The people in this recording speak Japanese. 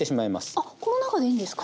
あっこの中でいいんですか。